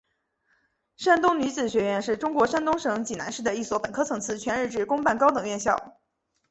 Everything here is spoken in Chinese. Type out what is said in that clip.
山东女子学院是中国山东省济南市的一所本科层次全日制公办高等院校。